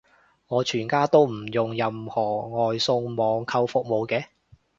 我全家都唔用任何外送網購服務嘅